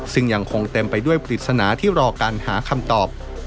ซึ่งยังคงเต็มไปด้วยปริศนาที่รอการหาคำตอบ